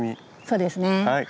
そうですね。